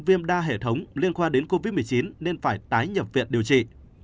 viêm đa hệ thống liên quan đến covid một mươi chín nên phải tái nhập viện điều trị